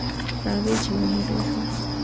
راځئ چې یو موټی شو.